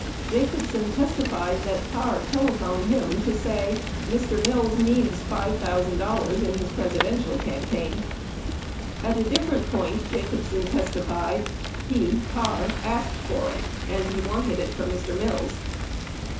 Jacobsen testified that Parr telephoned him to say, "... Mr. Mills needs $5,000 in his Presidential campaign." 27 At a different point, Jacobsen testified, "He (Parr) asked for it" and "He wanted it for Mr. Mills."